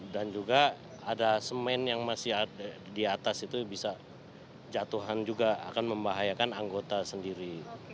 dan juga ada semen yang masih di atas itu bisa jatuhan juga akan membahayakan anggota sendiri